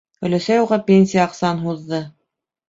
Өләсәй уға пенсия аҡсаһын һуҙҙы.